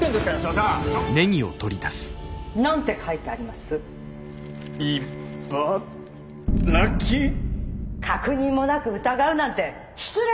確認もなく疑うなんて失礼ですよ！